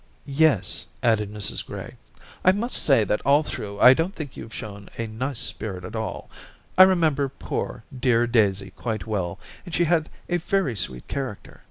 * Yes,' added Mrs Gray. * I must say that all through I don't think you've shown a nice spirit at all. I remember poor, dear Daisy quite well, and she had a very sweet character.